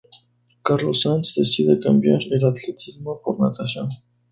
Carlos Sanz decide cambiar el atletismo por natación.